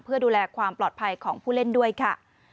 เพื่อดูแลความปลอดภัยของผู้เล่นด้วยค่ะ